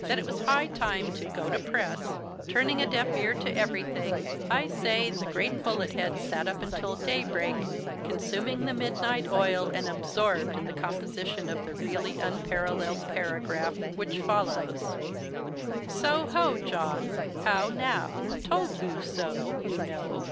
that it was high time to 'go to press': turning a deaf ear to everything, I say, the great Bullet head sat up until day break, consuming the midnight oil, and absorbed in the composition of the really unparalleled paragraph, which follows:— 'So ho, John! how now? Told you so, you know.